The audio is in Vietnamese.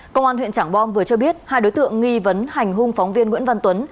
công an huyện trảng bom vừa cho biết hai đối tượng nghi vấn hành hung phóng viên nguyễn văn tuấn